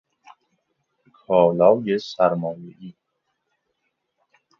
کالای سرمایه ای